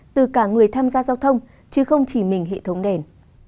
từ cả người tham gia giao thông chứ không chỉ mình hệ thống đèn